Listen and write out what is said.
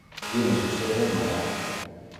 Tiene su sede en Managua.